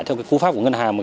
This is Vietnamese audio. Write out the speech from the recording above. theo khu pháp của ngân hàng